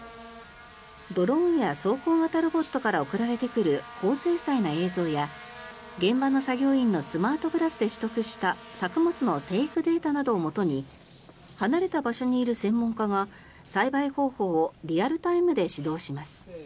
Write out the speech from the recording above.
ドローンや走行型ロボットから送られてくる高精細な映像や現場の作業員のスマートグラスで取得した作物の生育データなどをもとに離れた場所にいる専門家が栽培方法をリアルタイムで指導します。